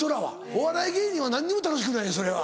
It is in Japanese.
お笑い芸人は何にも楽しくないねんそれが。